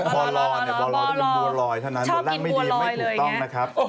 บัวลอยชอบกินบัวลอยเลย